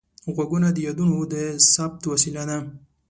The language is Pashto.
غوږونه د یادونو د ثبت وسیله ده